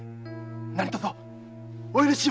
何とぞお許しを。